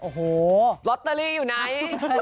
โอ้โหลอตเตอรี่อยู่ไหน